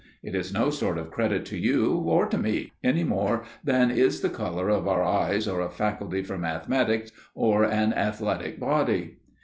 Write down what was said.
It is no sort of credit to you or to me, any more than is the colour of our eyes, or a faculty for mathematics, or an athletic body.